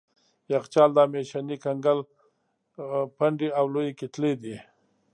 یخچال د همیشني کنګل پنډې او لويې کتلې دي.